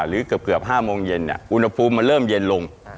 หรือเกือบ๕โมงเย็นอุณหภูมิมันเริ่มเย็นลง